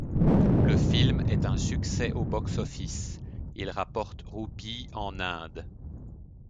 Le film est un succès au box office, il rapporte roupies en Inde.